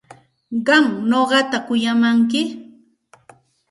¿Qam nuqata kuyamanki?